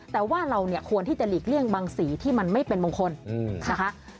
แต่ว่าเราเนี่ยควรที่จะหลีกเลี่ยงบางสีที่มันไม่เป็นมงคลนะคะ